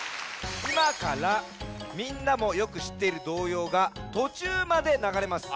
いまからみんなもよくしっている童謡がとちゅうまでながれます。